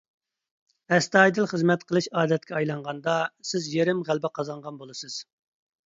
ئەستايىدىل خىزمەت قىلىش ئادەتكە ئايلانغاندا، سىز يېرىم غەلىبە قازانغان بولىسىز.